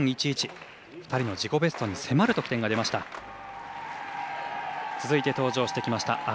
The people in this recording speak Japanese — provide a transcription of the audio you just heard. ２人の自己ベストに迫る得点が出ました。